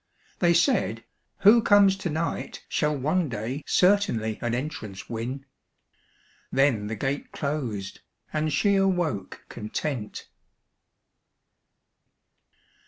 They said, "Who comes to night Shall one day certainly an entrance win;" Then the gate closed and she awoke content.